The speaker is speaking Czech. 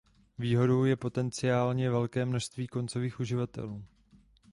Výhodou je potenciálně velké množství koncových uživatelů.